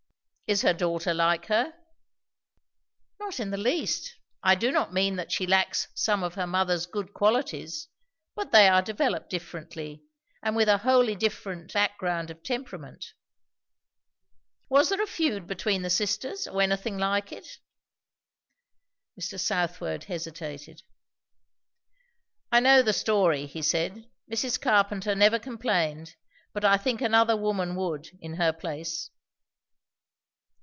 "Is her daughter like her?" "Not in the least. I do not mean that she lacks some of her mother's good qualities; but they are developed differently, and with a wholly different background of temperament." "Was there a feud between the sisters, or anything like it?" Mr. Southwode hesitated. "I know the story," he said. "Mrs. Carpenter never complained; but I think another woman would, in her place."